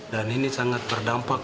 dan ini sangat berdampak